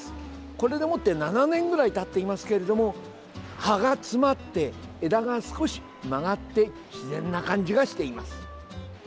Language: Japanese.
これでもって７年くらいたっていますけれども葉が詰まって、枝が少し曲がって自然な感じがしています。